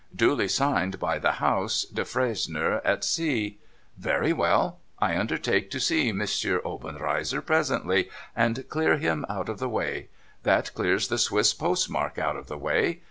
Duly signed by the House, " Defresnier et C^" Very well. I undertake to see M. Obenreizer presently, and clear him out of the way. That clears the Swiss postmark out of the way.